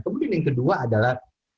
kemudian yang kedua adalah